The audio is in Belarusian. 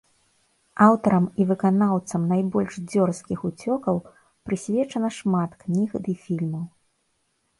Аўтарам і выканаўцам найбольш дзёрзкіх уцёкаў прысвечана шмат кніг ды фільмаў.